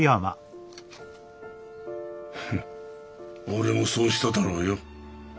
フン俺もそうしただろうよ。